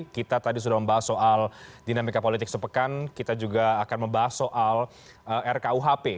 kita tadi sudah membahas soal dinamika politik sepekan kita juga akan membahas soal rkuhp